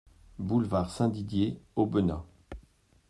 Boulevard Saint-Didier, Aubenas